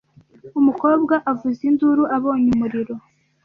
Umukobwa avuza induru abonye umuriro.